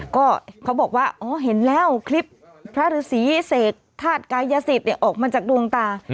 ก็เขาบอกว่าอ๋อเห็นแล้วคลิปพระฤษีเสกธาตุกายสิทธิ์ออกมาจากดวงตา